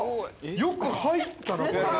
よく入ったな、これ。